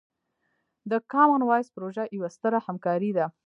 د کامن وایس پروژه یوه ستره همکارۍ ده.